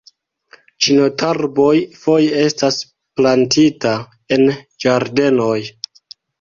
Ĉinotarboj foje estas plantita en ĝardenoj.